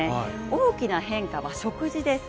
大きな変化は食事です。